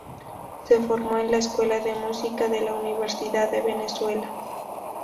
Se formó en la Escuela de Música de la Universidad de Venezuela.